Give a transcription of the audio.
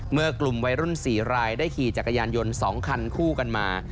เมื่อกลุ่มวัยรุ่น๔รายได้ขี่จักรยานยนต์๒คันคู่กันมา